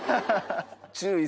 「注意！